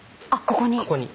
ここに？